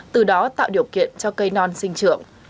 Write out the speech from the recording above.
từ đó tạo điều kiện cho cây non sinh trưởng